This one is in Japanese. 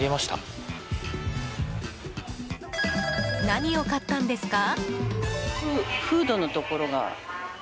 何を買ったんですか？